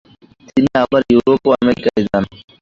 তিনি আবার ইউরোপ ও আমেরিকায় যান।